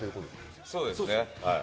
そうですね。